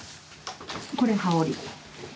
これ羽織。